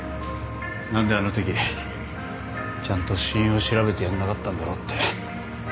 何であのときちゃんと死因を調べてやんなかったんだろうって。